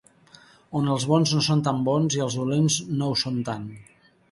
On els bons no són tan bons i els dolents no ho són tant.